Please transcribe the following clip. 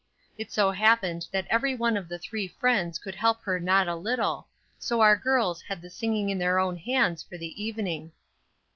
It so happened that every one of the three friends could help her not a little, so our girls had the singing in their own hands for the evening.